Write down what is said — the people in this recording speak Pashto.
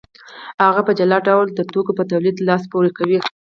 هغه په جلا ډول د توکو په تولید لاس پورې کوي